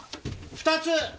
２つ！